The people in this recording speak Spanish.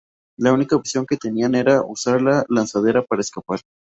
La única opción que tenían era usar la lanzadera para escapar.